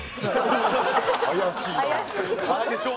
怪しいな。